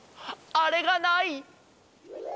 あれがない！